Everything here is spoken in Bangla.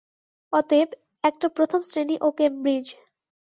অতএব একটা প্রথম শ্রেণি ও কেমব্রিজ।